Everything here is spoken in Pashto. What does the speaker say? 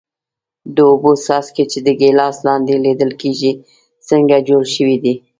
د اوبو څاڅکي چې د ګیلاس لاندې لیدل کیږي څنګه جوړ شوي دي؟